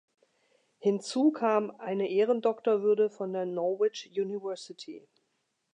Hinzu kam eine Ehrendoktorwürde von der Norwich University.